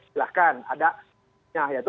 silahkan ada yaitu